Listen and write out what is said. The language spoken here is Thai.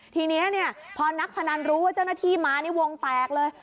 ทีนี้พอนักพนันรู้ว่าเจ้าหน้าที่มานี่วงแตกเลย